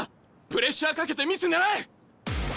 プレッシャーかけてミス狙え！